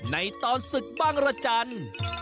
ในตอนศึกบ้างระจันทร์